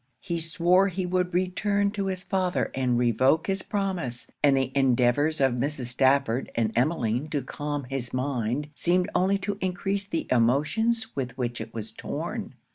He swore he would return to his father and revoke his promise; and the endeavours of Mrs. Stafford and Emmeline to calm his mind seemed only to encrease the emotions with which it was torn.